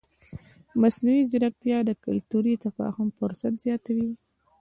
مصنوعي ځیرکتیا د کلتوري تفاهم فرصت زیاتوي.